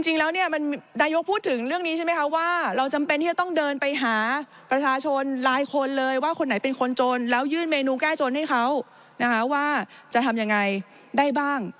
จริงแล้วเนี่ยมันนายกพูดถึงเรื่องนี้ใช่ไหมคะว่าเราจำเป็นที่จะต้องเดินไปหาประชาชนหลายคนเลยว่าคนไหนเป็นคนจนแล้วยื่นเมนูแก้จนให้เขานะคะว่าจะทำยังไงได้บ้าง